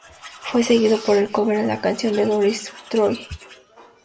Fue seguido por el cover a la canción de Doris Troy, "Just one Look".